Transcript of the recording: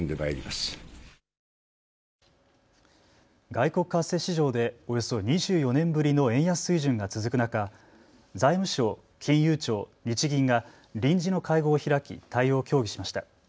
外国為替市場でおよそ２４年ぶりの円安水準が続く中、財務省、金融庁、日銀が臨時の会合を開き対応を協議しました。